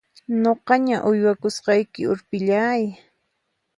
Nuqaña uywakusqayki urpillay!